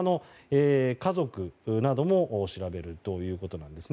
家族なども調べるということなんです。